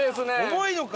重いのか。